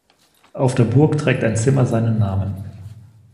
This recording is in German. Auf der Burg trägt ein Zimmer seinen Namen.